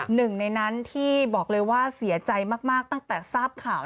หนึ่งในนั้นที่บอกเลยว่าเสียใจมากตั้งแต่ทราบข่าว